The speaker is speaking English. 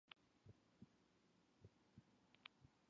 It was the most exciting series battle in recent memory.